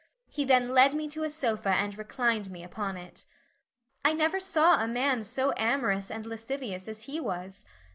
He then led me to a sofa and reclined me upon it. I never saw a man so amorous and lascivious as he was.